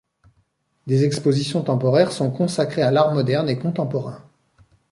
Des expositions temporaires sont consacrées à l'art moderne et contemporain.